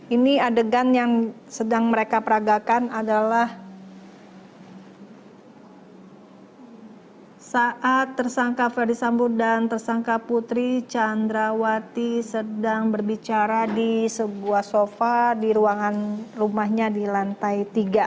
ini adegan yang sedang mereka peragakan adalah saat tersangka ferdisambut dan tersangka putri candrawati sedang berbicara di sebuah sofa di ruangan rumahnya di lantai tiga